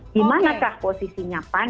dimanakah posisinya pan